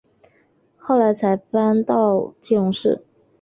后来才搬到基隆市。